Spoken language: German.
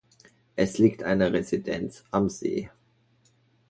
Es liegt eine Residenz am See.